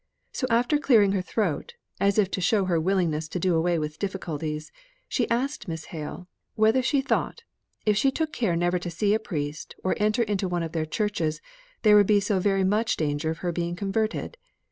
So, after clearing her throat, as if to show her willingness to do away with difficulties, she asked Miss Hale whether she thought, if she took care never to see a priest, or enter into one of their churches, there would be so very much danger of her being converted?